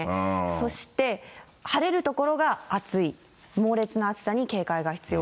そして晴れる所が暑い、猛烈な暑さに警戒が必要。